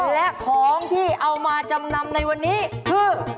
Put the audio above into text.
และของที่เอามาจำนำในวันนี้คือ